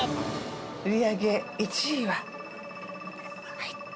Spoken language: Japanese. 売り上げ１位ははい。